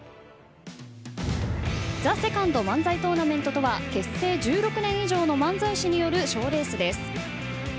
「ＴＨＥＳＥＣＯＮＤ漫才トーナメント」とは結成１６年以上の漫才師による賞レースです。